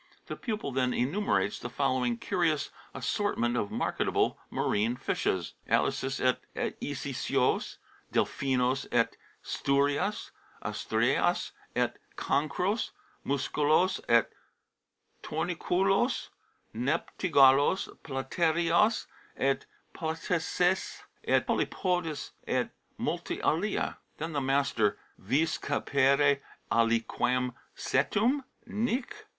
The pupil then enumerates the following curious assortment of "marketable marine fishes": " Aleces et isicios, delphinos et sturias, astreas et cancros, musculos et torniculos, neptigallos, platerias et platessas et polypodes et multa alia." Then the master :" Vis capere aliquem cetum ?"" Nic."